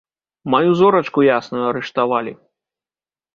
Маю зорачку ясную арыштавалі.